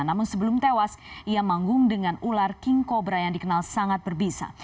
namun sebelum tewas ia manggung dengan ular king cobra yang dikenal sangat berbisa